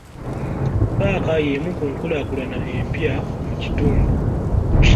Ppaaka y'emu ku nkulaakulana empya mu kitundu.